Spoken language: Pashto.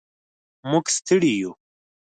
موږ ستړي و.